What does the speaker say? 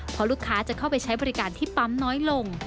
เพราะลูกค้าจะเข้าไปใช้บริการที่ปั๊มน้อยลง